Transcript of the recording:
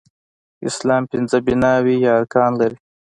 اسلام پنځه بناوې يا ارکان لري